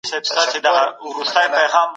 د کاندیدانو شالید څنګه څېړل کېږي؟